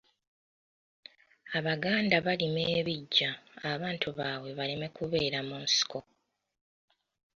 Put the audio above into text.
Abaganda barima ebiggya abantu baabwe baleme kubeera mu nsiko.